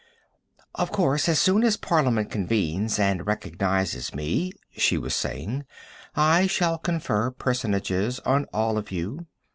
"Of course, as soon as Parliament convenes and recognizes me," she was saying, "I shall confer personages on all of you.